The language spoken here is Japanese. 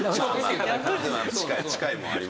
近い近いものあります。